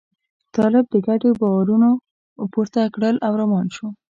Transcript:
طالب د کډې بارونه پورته کړل او روان شو.